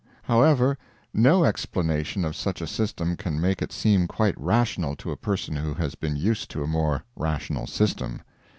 However, no explanation of such a system can make it seem quite rational to a person who has been used to a more rational system.